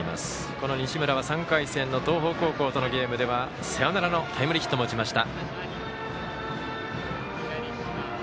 この西村は３回戦の東邦高校とのゲームではサヨナラのタイムリーヒットを打ちました。